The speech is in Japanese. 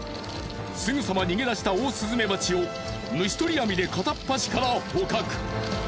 すぐさま逃げ出したオオスズメバチを虫捕り網で片っ端から捕獲。